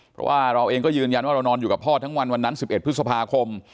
เพราะว่าเราเองก็ยืนยันว่าเรานอนอยู่กับพ่อทั้งวันวันนั้น๑๑พฤษภาคม